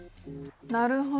なるほど。